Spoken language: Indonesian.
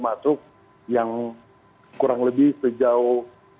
masuk yang kurang lebih sejauh